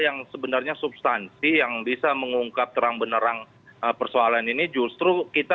yang sebenarnya substansi yang bisa mengungkap terang benerang persoalan ini justru kita